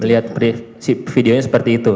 melihat videonya seperti itu